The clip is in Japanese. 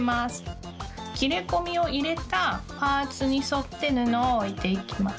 きれこみをいれたパーツにそって布をおいていきます。